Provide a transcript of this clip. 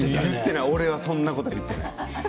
俺はそんなこと言っていない。